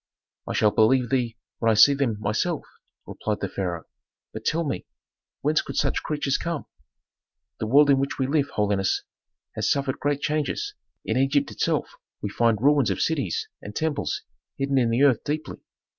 "I shall believe thee when I see them myself," replied the pharaoh. "But tell me, whence could such creatures come?" "The world in which we live, holiness, has suffered great changes. In Egypt itself we find ruins of cities and temples hidden in the earth deeply.